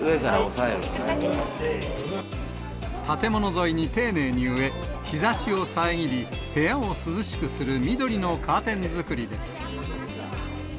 建物沿いに丁寧に植え、日ざしを遮り、部屋を涼しくする緑のカーテン作りです。